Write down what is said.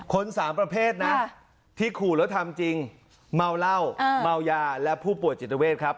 สามประเภทนะที่ขู่แล้วทำจริงเมาเหล้าเมายาและผู้ป่วยจิตเวทครับ